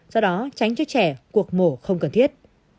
do đó tránh cho trẻ cuộc mổ không cần thiết